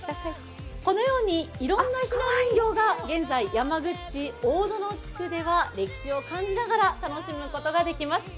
このように、いろんなひな人形が現在、山口市大殿地区では歴史を感じながら楽しむことができます。